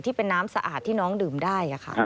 ที่เป็นน้ำสะอาดที่น้องดื่มได้ค่ะ